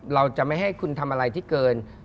เราจะไม่ให้คุณทำอะไรที่เกิน